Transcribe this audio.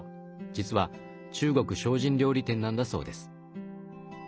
実は中国精進料理店なんだそうです。